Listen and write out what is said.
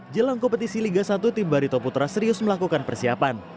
jelang kompetisi liga satu tim barito putra serius melakukan persiapan